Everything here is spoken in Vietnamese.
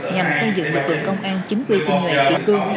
nhằm xây dựng lực lượng công an chính quyền công nghệ kỹ cương